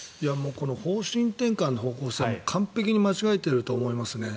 方針転換の方向性を完璧に間違えていると思いますね。